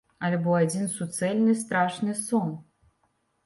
Альбо адзін суцэльны страшны сон?